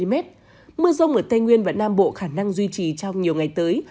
mưa rào và rông ở tây nguyên và nam bộ khả năng duy trì trong nhiều ngày tới